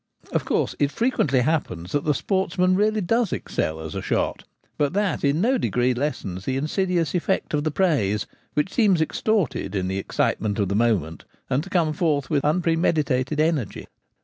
Of course it frequently happens that the sportsman really does excel as a shot ; but that in no degree lessens the insidious effect of the praise which seems extorted in the excitement of the moment, and to come forth with unpremeditated energy.